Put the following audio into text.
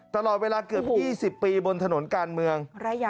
ตลอดเวลาเกือบ๒๐ปีบนถนนการเมือง